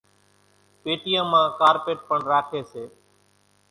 پيٽيان مان ڪارپيٽ پڻ راکيَ سي۔